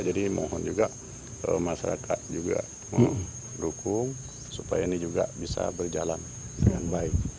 jadi mohon juga masyarakat juga mau dukung supaya ini juga bisa berjalan dengan baik